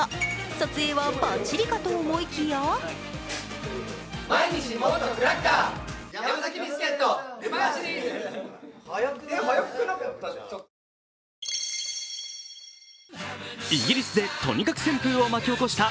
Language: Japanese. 撮影はバッチリかと思いきやイギリスでＴＯＮＩＫＡＫＵ旋風を巻き起こした